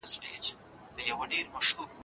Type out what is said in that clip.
په دامنځ کي ورنیژدې